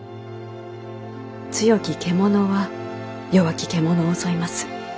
強き獣は弱き獣を襲います。